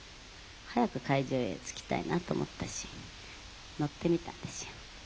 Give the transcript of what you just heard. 早く会場へ着きたいなと思ったし乗ってみたんですよ。